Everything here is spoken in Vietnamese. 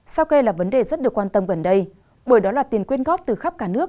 sau cây là vấn đề rất được quan tâm gần đây bởi đó là tiền quyên góp từ khắp cả nước